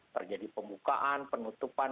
terjadi pembukaan penutupan